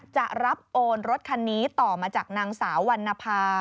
จะรับโอนรถคันนี้ต่อมาจากนางสาววรรณภา